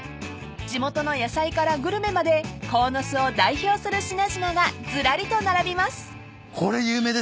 ［地元の野菜からグルメまで鴻巣を代表する品々がずらりと並びます］